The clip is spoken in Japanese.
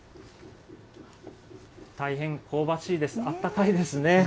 大変香ばしいです、あったかいですね。